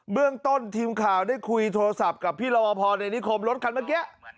เรื่องต้นทีมข่าวได้คุยโทรศัพท์กับพี่รวพรในนิคมรถคันเมื่อกี้